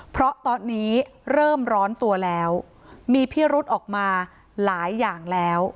เพราะตอนนี้เริ่มร้อนตัวแล้วมีพิรุธออกมาหลายอย่างแล้ว